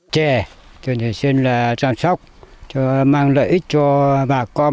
trẻ tôi xin là trang sốc mang lợi ích cho bà con